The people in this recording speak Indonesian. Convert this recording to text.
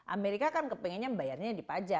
amerika kan kepengennya bayarnya di pajak